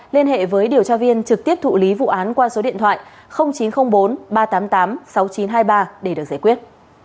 liên hệ với điều tra viên trực tiếp thụ lý vụ án qua số điện thoại chín trăm linh bốn ba trăm tám mươi tám sáu nghìn chín trăm hai mươi ba để được giải quyết